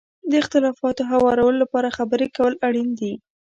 د اختلافاتو هوارولو لپاره خبرې کول اړین دي.